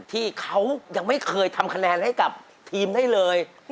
ที่เขายังไม่เคยทำคะแนนให้กับทีมได้เลย